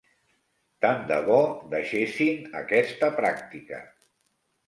Tant de bo deixessin aquesta pràctica.